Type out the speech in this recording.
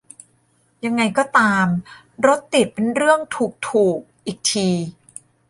ยังไงก็ตาม "รถติดเป็นเรื่องถูก-ถูก" อีกที